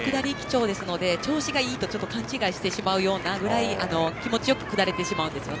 下り基調ですので調子がいいとちょっと勘違いしてしまうくらい気持ちよく下れてしまうんですね。